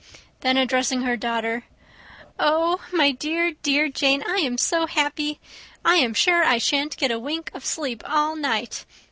Then addressing her daughter, "Oh, my dear, dear Jane, I am so happy! I am sure I shan't get a wink of sleep all night.